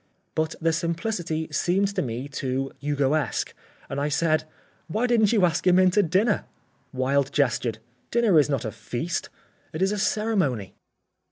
But the simplicity seemed to me too Hugoesque and I said: "Why didn't you ask him in to dinner?" Wilde gestured. "Dinner is not a feast, it is a ceremony."